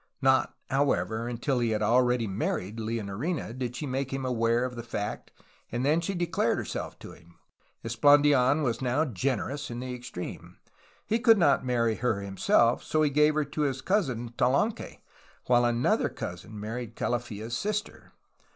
Not, however, until he had already married Leonorina did she make him aware of the fact, and then she declared herself to him. Esplandian was now generous in the extreme. He could not marry her him self; so he gave her his cousin Talanque, while another cousin married Calafia's sister.